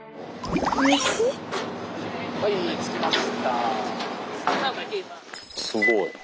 はい着きました。